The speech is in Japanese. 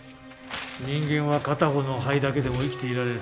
人間は片方の肺だけでも生きていられる。